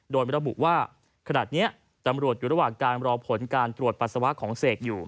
โดยระบุว่าขณะนี้ตำรวจอยู่ระหว่างการรอผลการตรวจปัสสาวะของเสกอยู่